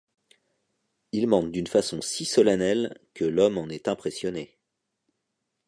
Ils mentent d'une façon si solennelle que l'homme en est impressionné.